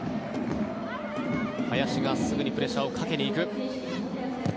林がすぐにプレッシャーをかけにいく。